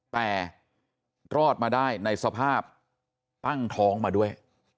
แต่รอดมาได้ในสภาพตั้งท้องมาด้วย